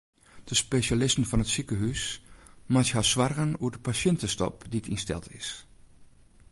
De spesjalisten fan it sikehús meitsje har soargen oer de pasjintestop dy't ynsteld is.